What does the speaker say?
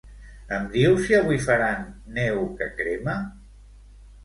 Em dius si avui faran "Neu que crema"?